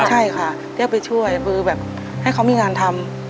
ใช่ค่ะเรียกไปช่วยคือแบบให้เขามีงานทำ